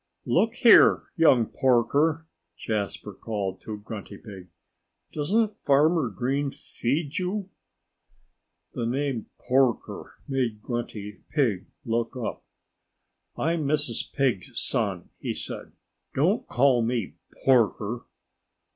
"Look here, young Porker!" Jasper called to Grunty Pig. "Doesn't Farmer Green feed you?" The name "Porker" made Grunty Pig look up. "I'm Mrs. Pig's son," he said. "Don't call me 'Porker'!"